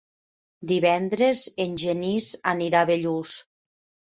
Divendres en Genís anirà a Bellús.